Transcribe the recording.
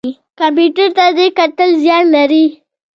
کمپیوټر ته ډیر کتل زیان لري